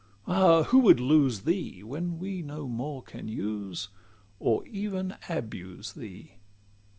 Ah! who would lose thee? When we no more can use, or even abuse thee!